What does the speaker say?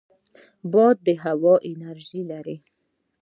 باد د هوا انرژي لري